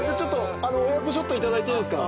親子ショット頂いていいですか？